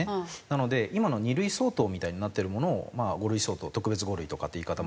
なので今の２類相当みたいになってるものを５類相当特別５類とかって言い方もありますけど。